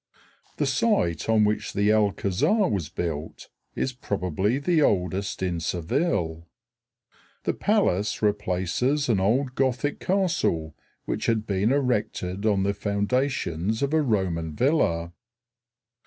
The site on which the Alcázar was built is probably the oldest in Seville. The palace replaces an old Gothic castle, which had been erected on the foundations of a Roman villa.